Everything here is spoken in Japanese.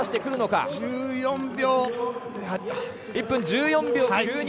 １分１４秒９２。